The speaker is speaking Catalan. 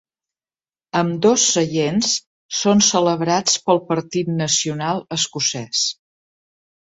Ambdós seients són celebrats pel Partit Nacional escocès.